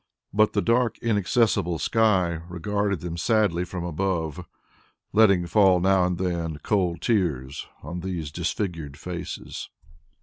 But the dark inaccessible sky regarded them sadly from above, letting fall now and then cold tears on these disfigured faces.